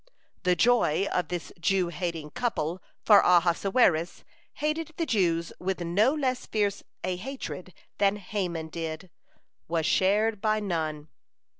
(118) The joy of this Jew hating couple for Ahasuerus hated the Jews with no less fierce a hatred than Haman did (119) was shared by none.